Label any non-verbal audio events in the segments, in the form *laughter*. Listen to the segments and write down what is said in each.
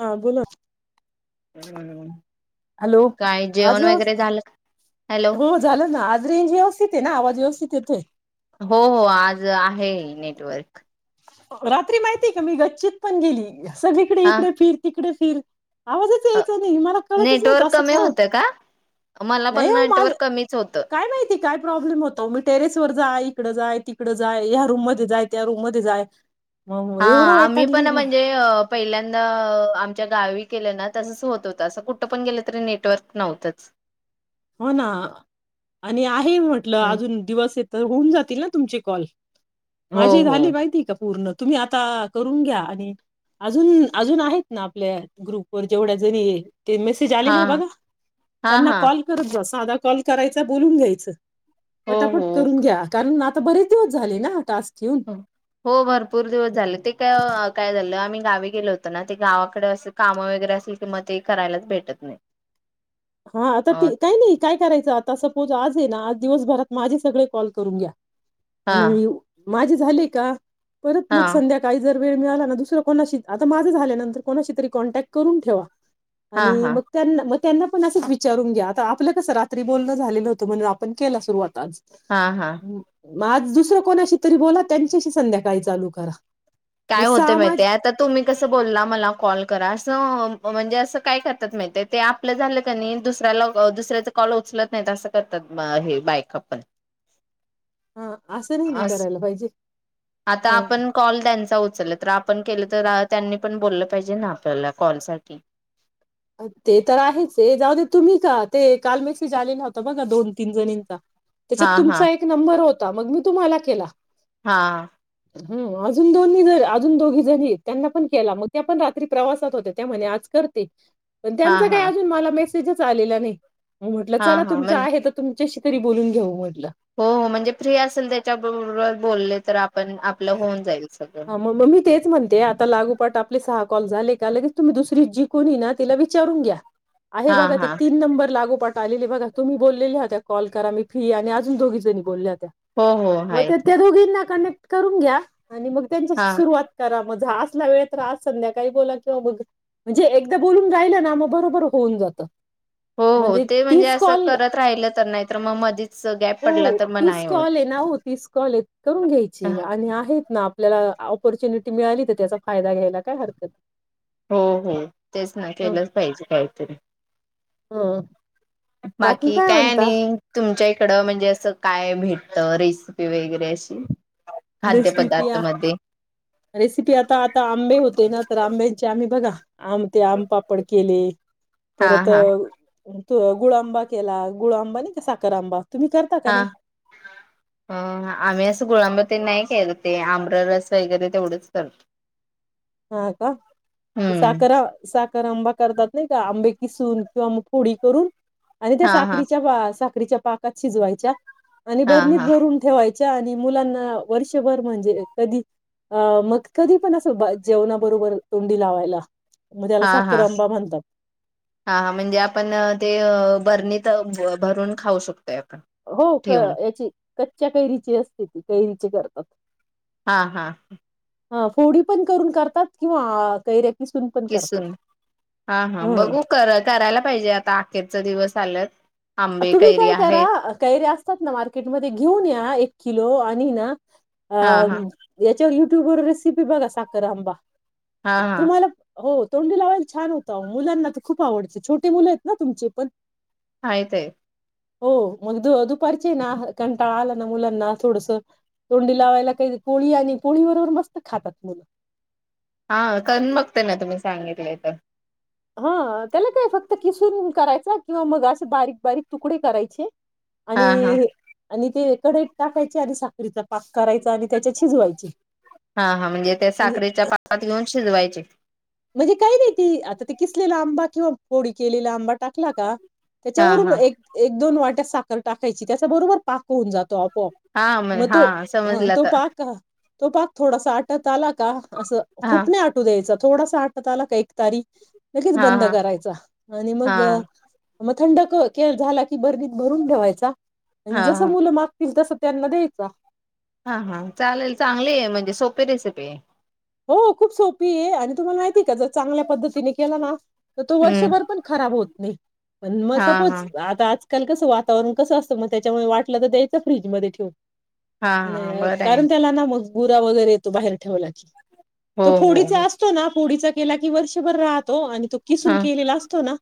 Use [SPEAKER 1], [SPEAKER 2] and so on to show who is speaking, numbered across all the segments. [SPEAKER 1] हा बोला
[SPEAKER 2] हम
[SPEAKER 1] हॅलो आज
[SPEAKER 2] का? हॅलो
[SPEAKER 1] व्यवस्थित हो झालं ना आज रेंज व्यवस्थित आहे ना आवाज व्यवस्थित येत
[SPEAKER 2] हो हो आज आहे नेटवर्क
[SPEAKER 1] रात्री माहितीय का मी गच्चीत पण गेली सगळीकडे
[SPEAKER 2] हा
[SPEAKER 1] इकडे फिर तिकडे फिर आवाजच यायचा नाही मला कळतच नाहीत
[SPEAKER 2] नेटवर्क
[SPEAKER 1] असं
[SPEAKER 2] कमी
[SPEAKER 1] का होत
[SPEAKER 2] होतं मला पण
[SPEAKER 1] नाही हो माझ
[SPEAKER 2] नेटवर्क कमीच होतं.
[SPEAKER 1] काय माहिती काय प्रॉब्लेम होतो मी टेरेस वर जाय तिकड जाय तिकडं जाय या रूम मध्ये जाय त्या रूम म जाय मग
[SPEAKER 2] हा
[SPEAKER 1] एवढं
[SPEAKER 2] आम्ही
[SPEAKER 1] वैतागली
[SPEAKER 2] पण म्हणजे पहिल्यांदाम गावी केल्या ना तसच होत होत असं कुठ पण गेलं तरी नेटवर्क नव्हतं
[SPEAKER 1] हो ना आणि आहे म्हटलं अजून दिवस येत तर होऊन जातील ना तुमचे कॉल
[SPEAKER 2] हो
[SPEAKER 1] माझी
[SPEAKER 2] हो
[SPEAKER 1] झाली माहिती हाय का पूर्ण तुम्ही आता करून घ्या आणि अजून अजून आहेत ना आपल्या ग्रुपवर जेवढ्या जणी ते मेसेज
[SPEAKER 2] हा
[SPEAKER 1] आलेली आहे बघा
[SPEAKER 2] हा
[SPEAKER 1] त्यांना
[SPEAKER 2] हा
[SPEAKER 1] कॉल ब साधा कॉल करायचा बोलून घ्यायचं
[SPEAKER 2] हो
[SPEAKER 1] पटापट
[SPEAKER 2] हो
[SPEAKER 1] करून घ्या कारण आ बरेच दिवस झाले टास्क घेऊन
[SPEAKER 2] हो भरपूर दिवस झाले ते काय काय झालं आम्ही गावी गेल होत ना ते गावाकडे असं काम वगैरे असेल क मग ते करायलाच भेटत नाही
[SPEAKER 1] हा आता
[SPEAKER 2] अ
[SPEAKER 1] ते काय नाही? काय करायचं आता असं? हो आज आहे ना आज दिवसभरात माझे सगळे कॉल करून घ्या.
[SPEAKER 2] हा
[SPEAKER 1] *inaudible* माझे झाले का परत
[SPEAKER 2] हा
[SPEAKER 1] मग संध्याकाळी जर वेळ मिळाला ना दुसर कोणाशी आता माझं झाल्या नंतर कोणाशी तरी कॉन्टॅक्ट करून ठेवा.
[SPEAKER 2] हा
[SPEAKER 1] आणि
[SPEAKER 2] हा
[SPEAKER 1] मग त्यांना म त्यांना आपण असंच विचारून घ्या आता आपलं कसं रात्री बोलणं झालेलं न होतं म्हणून आपण केला सुरुवात
[SPEAKER 2] हा हा
[SPEAKER 1] *unintelligible* म आज दुसरं कोणाशी तरी बोला त्यांच्याशी संध्याकाळी चालू करा मग
[SPEAKER 2] काय होतंय माहिती
[SPEAKER 1] सामाज
[SPEAKER 2] हाय आता तुम्ही कसं बोलला मला कॉल करा असं म्हणजे असं काय करतात माहिेतेय टे आपलं झालं कनी दुसऱ्याला दुसऱ्याच कॉल उचलत नाही अस करतात हे बाईका पण
[SPEAKER 1] हा असं नाही ना
[SPEAKER 2] अस
[SPEAKER 1] करायला पाहिजे
[SPEAKER 2] आता
[SPEAKER 1] हा
[SPEAKER 2] आपण कॉल त्यांचा उचलला आपण केलं तर त्यांनी पण बोललं पाहिजे ना आपल्याला कॉल साठी
[SPEAKER 1] ते तर आहेच हे जाऊ दे तुम्ही का ते काल मेसेज आलेला व्हता बघा दोन तीन जणींचा
[SPEAKER 2] हा
[SPEAKER 1] त्याच्यात
[SPEAKER 2] हा
[SPEAKER 1] तुमचा एक नंबर हो ता मग मी तुम्हाला केला.
[SPEAKER 2] हा
[SPEAKER 1] हम अजून दोन्ही अजून दोघी जणी आहेत त्यांना पण केला मग त्या पण रात्री प्रवासात होत्या त्या म्हणे आज करते. पण
[SPEAKER 2] हा
[SPEAKER 1] त्यांच काय
[SPEAKER 2] हा
[SPEAKER 1] अजून मला मेसे जच आलेला नाही. म म्हटलं
[SPEAKER 2] हा
[SPEAKER 1] चला
[SPEAKER 2] हा
[SPEAKER 1] तुमच
[SPEAKER 2] म्हण
[SPEAKER 1] आहे तर तुम शी तरी बोलून घेऊ म्ह
[SPEAKER 2] हो हो म्हणजे फ्री असेल त्याच्याबरोबर बोललेत तर आपण आपलं होऊन जाईल. सगळं
[SPEAKER 1] ह म म मी तेच म्हण ते आता लागूपाट आपले सहा कॉल झाले का लगेच तुम्ही दुसरी जी कोणी हे ना तिला विचारून घ्या. आहे
[SPEAKER 2] हा
[SPEAKER 1] बघा ते
[SPEAKER 2] हा
[SPEAKER 1] तीन नंबर लागोपाठ आलेले बघा तुम्ही बोललेले आता कॉल करा मी फ्री आहे आणि अजून दोघी जणी बोलल्यात
[SPEAKER 2] हो हो
[SPEAKER 1] म
[SPEAKER 2] आहेत
[SPEAKER 1] ते दोघींना का ना करून घ्या आणि मग त्यांच्या
[SPEAKER 2] हा
[SPEAKER 1] सुरुवात करा म झा आज सला वेळ तर आज संध्याकाळी बोला किंवा बघ म्हणजे एकदा बोलून राहिलं ना मग बरोबर होऊन जातं
[SPEAKER 2] हो हो
[SPEAKER 1] म्हणजे
[SPEAKER 2] ते
[SPEAKER 1] तीस
[SPEAKER 2] असं
[SPEAKER 1] कॉल
[SPEAKER 2] करत राहिलं तर नाही तर मग मधीच गॅप पडला
[SPEAKER 1] हो
[SPEAKER 2] तर मग
[SPEAKER 1] तीस
[SPEAKER 2] नाही होत.
[SPEAKER 1] कॉल आहे ना हो तीस कॉल करून घ्यायचे आणि आहेत ना आप आपल्याला ऑपॉर्च्युनिटी मिळाली तर त्याचा फायदा घ्यायला काय हरकत
[SPEAKER 2] हो हो तेच ना केलंचं पाहिजे कायतरी.
[SPEAKER 1] हं
[SPEAKER 2] बाकी काय आणि तुमच्या तकड म्हणजे असं काय भेटत रेसिपी वगैरे अशी
[SPEAKER 1] रेसिपी या
[SPEAKER 2] खाद्यपदार्थामध्ये
[SPEAKER 1] रेसिपी आता आता आंबे होते ना तर आंबे च्या आम्ही बघा आम ते आमपापड केले
[SPEAKER 2] हा
[SPEAKER 1] परत
[SPEAKER 2] हा
[SPEAKER 1] त गुळ आंबा केला गुळ आंबा नाही का साखर आंबा तुम्ही करता का
[SPEAKER 2] हा
[SPEAKER 1] नाही
[SPEAKER 2] अ आमी असं गुळांब तेन नाई *unintelligible* ते आम्ररस वगैरे तेवढंच करतो.
[SPEAKER 1] हा का ती
[SPEAKER 2] हम्म
[SPEAKER 1] साखर आ साख र आंबा करतात नाही का आंबे किसून किंवा मग फोडी करून आणि त्या
[SPEAKER 2] हा हा
[SPEAKER 1] साखरीच्या बा सा रीच्या पाकात शिजवायच्या आणि
[SPEAKER 2] हा
[SPEAKER 1] बरणीत
[SPEAKER 2] हा
[SPEAKER 1] भरून ठेवाय च्या मुलांना वर्षभर म्हणजे कधी आ मग कधी पण अस जेवणा बरोबर तोंडी लावायला. मग त्याला
[SPEAKER 2] हा हा
[SPEAKER 1] साखर आंबा म्हणतात
[SPEAKER 2] हा म्हणजे आपण अ ते अ बरनित त भरून खाऊ शकतो
[SPEAKER 1] हो क याची कच्च्या कैरीची असते ती. कैरीचे करतात.
[SPEAKER 2] हा हा *unintelligible*
[SPEAKER 1] हा फोडी पण करून करतात किंवा कैर-
[SPEAKER 2] किसून हा हा
[SPEAKER 1] हं
[SPEAKER 2] बघू करा करायला पाहिजे आता अखेरचा दिवस *unintelligible*
[SPEAKER 1] तुम्ही
[SPEAKER 2] कैरी
[SPEAKER 1] काय करा
[SPEAKER 2] आहेत
[SPEAKER 1] कैऱ्या असतात ना मार्केटमध्ये घेऊन या एक किलो आण *unintelligible* अ
[SPEAKER 2] हा हा
[SPEAKER 1] याच्यावर य ट्यूबर रेसिपी बघा साखर आंबा.
[SPEAKER 2] हा हा
[SPEAKER 1] तुम्हाला हो तोंडी लावायला छान होतं आओ मुलांना तर खूप आवडतं छोटे मुलंयत ना तुमचे पण
[SPEAKER 2] *unintelligible*
[SPEAKER 1] हो मग द दुपारचीय ना कंटाळा आला ना मुलांना थोडस तोंडी लावायला काही पोळी आणि पोळी बरोबर मस्त खातात मुलं
[SPEAKER 2] हा करूण बघते ना तुम्ही सांगितलय तर
[SPEAKER 1] हा त्याला काय फक्त किसुन करायचा किंवा मग असे बारीक बारीक तुकडे करायचे.
[SPEAKER 2] हा हा
[SPEAKER 1] आणि आणि ते कढईत टाकायचे आधी साखरीचा पाक करायचा आणि त्याच्यात शिजवायचे
[SPEAKER 2] हा हा म्हणजे त्या साखरेच्या पाकात घेऊन शिजवायचे.
[SPEAKER 1] म्हणजे काय नाही ती आता ते किसलेला आंबा किंवा फोडी केलेला आंबा टाकला का
[SPEAKER 2] हा
[SPEAKER 1] त्याच्यावरून
[SPEAKER 2] हा
[SPEAKER 1] एक एक दोन वाट त्या साखर टाकायची त्याच्याबरोबर पाक होऊन जातो आपो
[SPEAKER 2] हा
[SPEAKER 1] पोप म
[SPEAKER 2] हा
[SPEAKER 1] तो ह
[SPEAKER 2] समजलं
[SPEAKER 1] तो
[SPEAKER 2] आता
[SPEAKER 1] पाक तो पाग थोडासा आटत आला का असं
[SPEAKER 2] हा
[SPEAKER 1] खूप नाय आटू द्यायचं थोडासा आटत आला का एक तारी लगीच
[SPEAKER 2] हा
[SPEAKER 1] बंद
[SPEAKER 2] हा
[SPEAKER 1] करायचा आणि
[SPEAKER 2] हा
[SPEAKER 1] मग म थंड के झाला की बरणीत भरून ठेवायचा
[SPEAKER 2] हा
[SPEAKER 1] आणि जस
[SPEAKER 2] हा
[SPEAKER 1] मुलं मागतील तस त्यांना द्यायचा
[SPEAKER 2] हा हा चालेल चांगलीये म्हणजे सोपी रेसिपीये -
[SPEAKER 1] हो खूप सोपीये आणि तुम्हाला माहितीय का जर चांगल्या पद्धतीने केला ना तर तो
[SPEAKER 2] हम्म
[SPEAKER 1] वर्षभर पण खराब होत नाई. पण म
[SPEAKER 2] हा
[SPEAKER 1] सपोज
[SPEAKER 2] हा
[SPEAKER 1] आता आज काल कसं वातावरण कसं असतं म त्याच्यामुळे वाटलं तर द्यायचं फ्रीजमध्ये ठेवून.
[SPEAKER 2] हा हा
[SPEAKER 1] नय
[SPEAKER 2] बरं आहे
[SPEAKER 1] कारण त्याला ना गुरा वगैरे येतो बाहेर ठेवला की
[SPEAKER 2] हो
[SPEAKER 1] तो
[SPEAKER 2] हो
[SPEAKER 1] फोडीचा
[SPEAKER 2] हो
[SPEAKER 1] असतो ना फोडीचा केला की वर्षभर राहतो आणि तो किसून
[SPEAKER 2] हा
[SPEAKER 1] केलेला असतो ना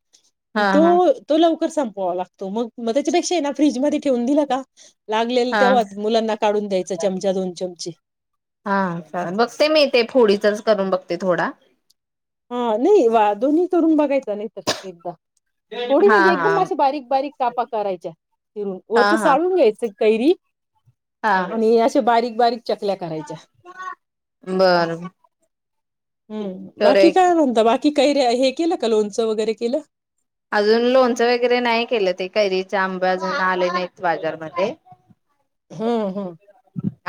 [SPEAKER 2] हा
[SPEAKER 1] तो
[SPEAKER 2] हा
[SPEAKER 1] तो लव कर संपवावा लागतो म म त्याच्यापेक्षा ना फ्रीज मध्ये ठेवून दिला का लागलेल
[SPEAKER 2] हा
[SPEAKER 1] तेव्हा मुलांना काढून द्यायच चमचा दोन चमचे
[SPEAKER 2] हा चालेल बघते मी ते फोडीचाच करून बघते थोडा
[SPEAKER 1] हा नाही वा दोन्ही करुन बघायचा नाही तर एकदा फोडी
[SPEAKER 2] हा
[SPEAKER 1] म्हणजे
[SPEAKER 2] हा
[SPEAKER 1] एकदम मशी बारीक बारीक कापा करायच्या फिरून
[SPEAKER 2] हा
[SPEAKER 1] वरचं
[SPEAKER 2] हा
[SPEAKER 1] साळून घ्यायचं कैरी
[SPEAKER 2] हा
[SPEAKER 1] आणि असे बारीक बारीक चकल्या करायच्या
[SPEAKER 2] बर
[SPEAKER 1] हूं
[SPEAKER 2] तर
[SPEAKER 1] बाकी
[SPEAKER 2] एक
[SPEAKER 1] काय म्हणता बा कैऱ्या हे केलं का लोणचं वगैरे केलं?
[SPEAKER 2] अजून लोणचं वगैरे नाही केलं ते कैरीचे आंब अजून आले नाहीत बाजारमध्ये.
[SPEAKER 1] हम् हम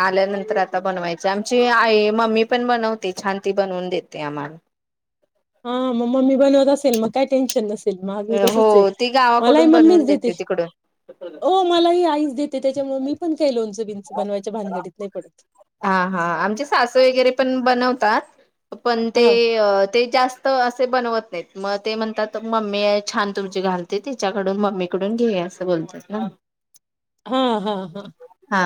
[SPEAKER 2] आल्यानंतर आता बनवायचे आमची आई मम्मी पण बनवते छान ती बनवून देते आम्हाला
[SPEAKER 1] हा मग मम्मी बनवत असेल मग काही टेन्शन नसे माझं
[SPEAKER 2] हो
[SPEAKER 1] तसच आहे
[SPEAKER 2] ती
[SPEAKER 1] मलाही
[SPEAKER 2] गावाकडून बनवून
[SPEAKER 1] मम्मीच देते.
[SPEAKER 2] तिकडून
[SPEAKER 1] हो मलाही आईच देते त्याच्यामुळे मी पण काही लोण
[SPEAKER 2] हा हा आमचे सास वगैरे पण बनवतात. *unintelligible* पण ते
[SPEAKER 1] हा
[SPEAKER 2] अ ते जास्त असे बनवत नाहीत मग ते म्हणतात मम्मी छान तुमची घालते तिच्याकडून मम्मी कडून घे असं बोलतात ना.
[SPEAKER 1] हा हा हा
[SPEAKER 2] हा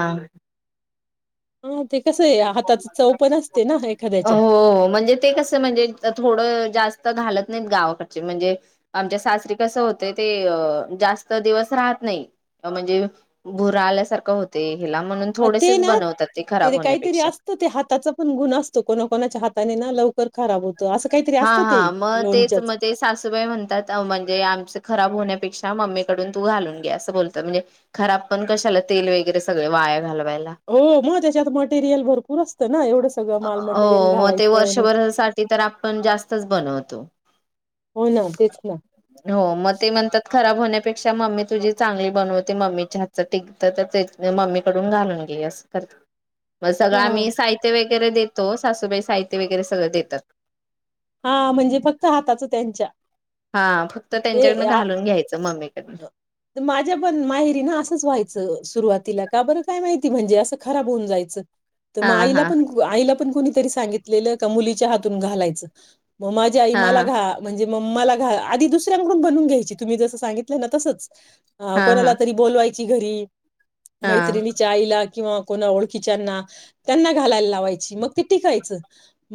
[SPEAKER 1] ह
[SPEAKER 2] *unintelligible*
[SPEAKER 1] एखाद्याच्या
[SPEAKER 2] हो म्हणजे ते कस म्हणजे थोड जास्त घालत नाही गावाकडचे म्हणजे आमच्या सासरी कसं होते ते जास्त दिवस राहत नाही म्हणजे भुरा आल्यासारखं होते. म्हणून थोडेसेच बनवतात ते खराब होण्यापैकी
[SPEAKER 1] असत हाताच गुण असत कोणकोणच्या हाताने ना लव खराब होतं असं काहीतरी
[SPEAKER 2] हा
[SPEAKER 1] असतं
[SPEAKER 2] हा
[SPEAKER 1] ते
[SPEAKER 2] मग तेच
[SPEAKER 1] लोणच्याच
[SPEAKER 2] म्हणजे सासूबाई म्हणतात म्हणजे आमच खराब होण्यापेक्षा मम्मी कडून तू घालून घे अस बोलतात म्हणजे खराब पण कशाला तेल वगैरे सगळ वाया घालवा
[SPEAKER 1] हो मग त्याच्यात मटेरियल भरपूर असतं ना एवढं सगळं माल मटेरियल
[SPEAKER 2] हो मग ते
[SPEAKER 1] घालायचं आणि
[SPEAKER 2] वर्षभरासाठी तर आपण जास्तच बनवतो.
[SPEAKER 1] हो ना तेच ना
[SPEAKER 2] *unintelligible* हो मग ते म्हणतात खराब होण्या त्या पेक्षा मम्मी तुझी चांगली बनवते मम्मीच्या हातचं टिकतं तर मम्मी कडून घालून घे असं मग सगळं
[SPEAKER 1] हा
[SPEAKER 2] आम्ही साहित्य वेग वगैरे देतो सासूबाई साहित्य वगैरे सगळं देतात.
[SPEAKER 1] हा म्हणजे फक्त हाताचं त्यांच्या
[SPEAKER 2] हा फक्त त्यांच्याकडनं घालून घ्यायचं मम्मीकडनं
[SPEAKER 1] *unintelligible* माझ्या पण माहेरी ना असंच व्हायचं. सुरुवातीला का बरं काय माहिती म्हणजे असं खराब होऊन जायचं. तर
[SPEAKER 2] हा
[SPEAKER 1] मग आईला
[SPEAKER 2] हा
[SPEAKER 1] पण आईला पण कोणी त सांगितले का मुलीच्या हातून घालायच. मग माझ्या आई
[SPEAKER 2] हा
[SPEAKER 1] मला
[SPEAKER 2] हा
[SPEAKER 1] घा म्हणजे म मला घ आधी दुसऱ्यांकडून बनून घ्यायची तुम्ही जसं सांगितलं ना तसंचं. हा कोणाला तरी बोलवाय ची घरी
[SPEAKER 2] हा
[SPEAKER 1] मैत्रीनी च्या आईला किंवा कोणा ओळखीच्याना त्यांना घालायला लावायची मग ते टिकायचं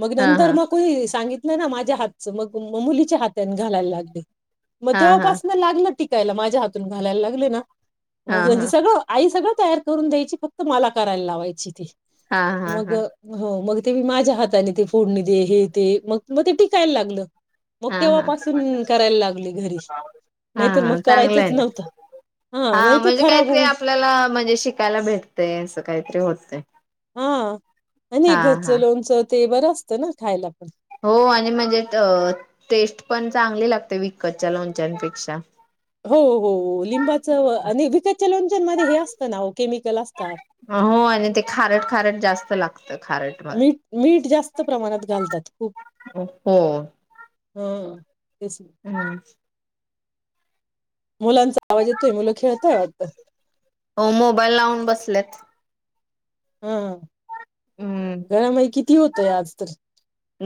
[SPEAKER 1] मग
[SPEAKER 2] हा
[SPEAKER 1] नंतर मग कोणी सांगितलं ना माझ्या हातचं मग मुलीच्या हातने घालायला लागले. मग
[SPEAKER 2] हा हा हा
[SPEAKER 1] तेव्हापासन लागल टिकायला माझ्या हातून घालायला लागले ना
[SPEAKER 2] हा
[SPEAKER 1] हो म्हणजे
[SPEAKER 2] हा
[SPEAKER 1] सगळं आई सगळं तयार करून द्यायची फक्त मला करायला लावायची ती
[SPEAKER 2] हा हा हा
[SPEAKER 1] मग हो मग ते मी माझ्या हाताने ते फोडणी दे हे ते मग म ते टिकायला लागलं मग
[SPEAKER 2] हा हा
[SPEAKER 1] तेव्हापासून करायला लागले घरी
[SPEAKER 2] हा
[SPEAKER 1] नाहीतर मग
[SPEAKER 2] हा चांगलं
[SPEAKER 1] करायचंच
[SPEAKER 2] आहे ना
[SPEAKER 1] नव्हतं.
[SPEAKER 2] हा
[SPEAKER 1] ते
[SPEAKER 2] म्हणजे
[SPEAKER 1] खराब
[SPEAKER 2] काहीतरी
[SPEAKER 1] होऊन
[SPEAKER 2] आपल्याला म्हणजे शिकायला भेटतय अस काहीतरी होतय.
[SPEAKER 1] हा आणि
[SPEAKER 2] हा
[SPEAKER 1] घरच
[SPEAKER 2] हा
[SPEAKER 1] लोणचं ते बर असत ना खायला पन
[SPEAKER 2] हो आणि म्हणजे त टेस्ट पण चांगली लागते विकतच्या लोणच्यांपेक्षा
[SPEAKER 1] हो हो लिंबाच आणि विकत असतात.
[SPEAKER 2] हो आणि ते खारट खारट जास्त लाग
[SPEAKER 1] मीठ मीठ जास्त प्रमाणात घालतात खूप
[SPEAKER 2] हो.
[SPEAKER 1] हं
[SPEAKER 2] *inaudible*
[SPEAKER 1] मुलांचा आवाज येतोय मुलं खेळताय वाटत
[SPEAKER 2] हो मोबाईल लावून बसलेत.
[SPEAKER 1] हा
[SPEAKER 2] हूं
[SPEAKER 1] घडामोडी किती होतय आज तर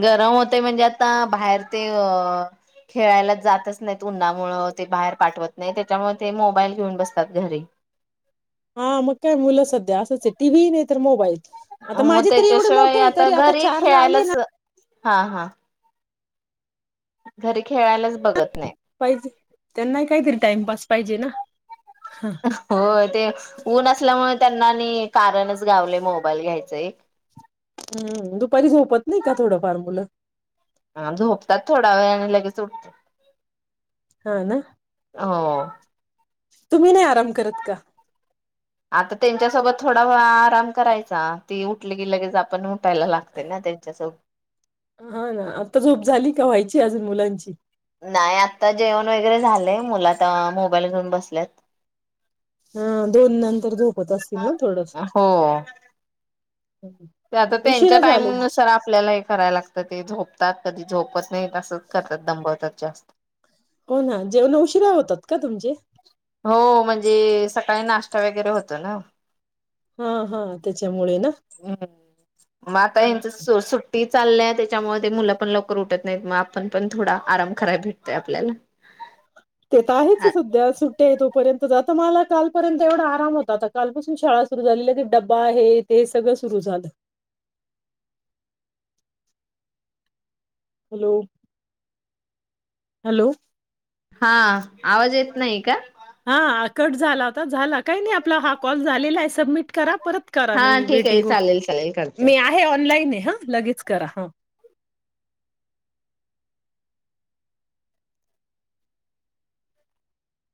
[SPEAKER 2] गरम होतय म्हणजे आता बाहेर ते खेळायला जातच नाहीत उन्हामुळ ते बाहेर पाठवत नाही त्याच्यामुळे ते मोबाईल घेऊन बसतात घरी
[SPEAKER 1] हा म काय मुलं सध्या असच आहेत टी व्ही नाही तर मोबाईल आता
[SPEAKER 2] म
[SPEAKER 1] माझे तरी एवढे
[SPEAKER 2] त्याच्याशिवाय
[SPEAKER 1] मोठे
[SPEAKER 2] आता
[SPEAKER 1] तरी
[SPEAKER 2] घरी
[SPEAKER 1] चार ला आले
[SPEAKER 2] खेळायलाच
[SPEAKER 1] ना
[SPEAKER 2] हा हा घरी खेळायलाच बघत नाही
[SPEAKER 1] पाहिजे त्यांनाही काहीतरी टाइमपास पाहिजे ना
[SPEAKER 2] हो ते ऊन असल्यामुळ त्यांना आणि कारणच गावलय मोबाईल घ्यायचं एक
[SPEAKER 1] हम्म दुपारी झोपत नाही का थोडं फार मुलं.
[SPEAKER 2] हा झोपतात थोडा वेळ आणि लगेच उठतात.
[SPEAKER 1] हा ना
[SPEAKER 2] हो
[SPEAKER 1] तुम्ही नाही आराम करत का?
[SPEAKER 2] आता त्यांच्यासोबत थोडा व आराम करायचा ती उठली की लगेच आपण उठायला लागते ना त्यांच्यासोबत.
[SPEAKER 1] हा ना आता झोप झाली का व्हायची अजून मुलांची
[SPEAKER 2] नाही आता जेवण वगैरे झालं. मुलं आता मोबाईल घेऊन बसल्यात.
[SPEAKER 1] हा दोन नंतर झोप.
[SPEAKER 2] हो आता त्यांच्या
[SPEAKER 1] उशिरा
[SPEAKER 2] टाइम
[SPEAKER 1] झाले
[SPEAKER 2] नुसार आपल्याला हे करायला लागतं ते झोप त्यात कधी झोप नाही तसंच करतात दबवतात. जास्त
[SPEAKER 1] हो ना, जेवण उशिरा होतात का तुमचे?
[SPEAKER 2] हो म्हणजे सकाळी नाश्ता वगैरे होतो ना.
[SPEAKER 1] हा हा त्याच्यामुळे ना
[SPEAKER 2] हम्म म यांचं सुट्टीत चाललंय त्याच्यामुळे ते मुलं पण लवकर उठत नाहीत मग आपण पण थोडा आराम करायला भेटतोय आपल्याला.
[SPEAKER 1] ते तर आहेच सध्या असं ते तोपर्यंतत मला कालपर्यंत एवढा आराम होता. आता कालपासून शाळा सुरू झाल्या लगेच डबा हे ते सगळं सुरू झालं. हॅलो हॅलो
[SPEAKER 2] हा आवाज येत नाही का?
[SPEAKER 1] हा कट झाला होता, झाला काही नाही आपला हा कॉल झालेला आहे सबमिट. करा परत करा,
[SPEAKER 2] हा
[SPEAKER 1] मी
[SPEAKER 2] ठीक आहे
[SPEAKER 1] वेटिंग व
[SPEAKER 2] चालेल चालेल करते.
[SPEAKER 1] मी आहे ऑनलाईन हे. ह लगेच करा ह